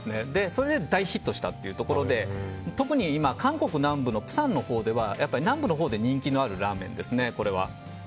それで、大ヒットしたというところで特に今、韓国南部の釜山のほうでは人気のあるラーメンですね。